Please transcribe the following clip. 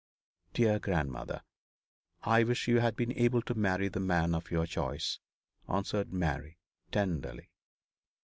'Dear grandmother, I wish you had been able to marry the man of your choice,' answered Mary, tenderly.